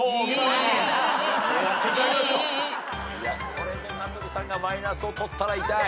これで名取さんがマイナスを取ったら痛い。